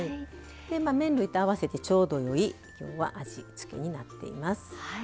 麺類と合わせてちょうどよい味付けになっています。